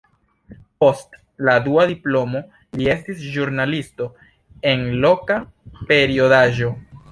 Post la dua diplomo li estis ĵurnalisto en loka periodaĵo.